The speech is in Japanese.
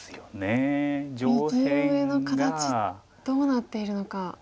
右上の形どうなっているのか。